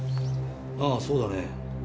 ああそうだね。